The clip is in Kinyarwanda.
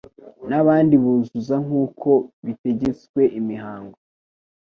n'abandi buzuza nk'uko bitegetswe imihango